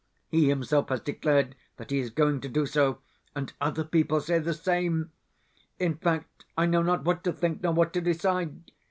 He himself has declared that he is going to do so, and other people say the same. In fact, I know not what to think, nor what to decide.